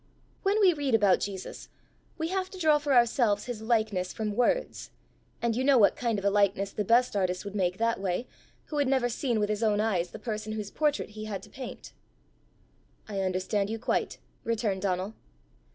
"When we read about Jesus, we have to draw for ourselves his likeness from words, and you know what kind of a likeness the best artist would make that way, who had never seen with his own eyes the person whose portrait he had to paint!" "I understand you quite," returned Donal.